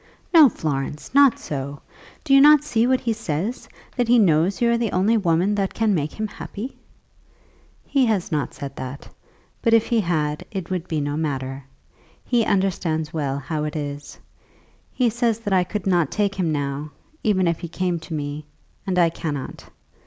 "No, Florence; not so. Do you not see what he says; that he knows you are the only woman that can make him happy?" "He has not said that; but if he had, it would make no matter. He understands well how it is. He says that I could not take him now, even if he came to me; and I cannot.